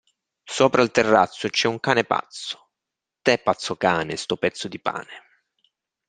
Sopra al terrazzo, c'è un cane pazzo, tè pazzo cane, sto pezzo di pane.